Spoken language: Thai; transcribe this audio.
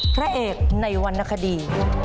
พระเอกในวรรณคดี